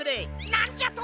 なんじゃと！